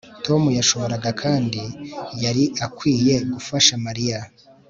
Tom yashoboraga kandi yari akwiye gufasha Mariya